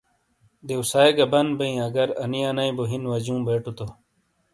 دیوسائی گہ بند بیئں اگر انی انئیی بو ہین واجیوں بیٹو تو۔